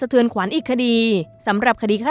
กุบเขาลงไปกุบเขาลงไป